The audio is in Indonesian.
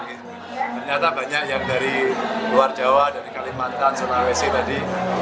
ternyata banyak yang dari luar jawa dari kalimantan sulawesi tadi